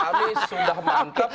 kami sudah mantep